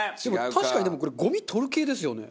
確かにでもこれゴミ取る系ですよね？